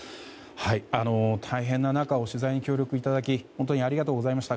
大変な中取材にご協力いただきありがとうございました。